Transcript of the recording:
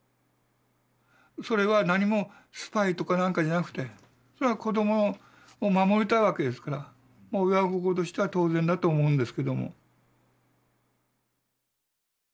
それはなにもスパイとかなんかじゃなくてそれは子どもを守りたいわけですからもう親心としては当然だと思うんですけども。